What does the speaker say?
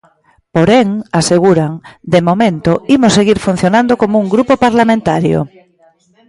Porén, aseguran,"de momento, imos seguir funcionando como un grupo parlamentario".